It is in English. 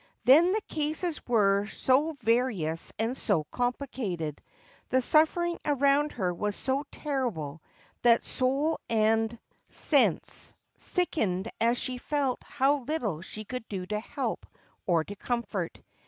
Then the cases were s> various and s:> com plicated, the s iiibriucr :iround her was no terrii.ie. that soul and sense skkeiied as ?he felt how little she could do to help or to comfort.